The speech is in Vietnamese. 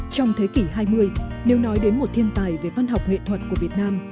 trong thế kỷ hai mươi nếu nói đến một thiên tài về văn học nghệ thuật của việt nam